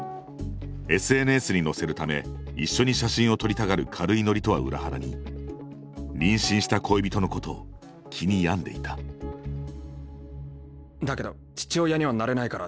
ＳＮＳに載せるため一緒に写真を撮りたがる軽いノリとは裏腹に妊娠した恋人のことを気に病んでいただけど父親にはなれないから。